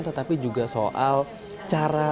tetapi juga soal cara